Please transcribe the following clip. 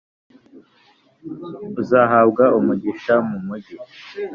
Uzahabwa umugisha mu mugi,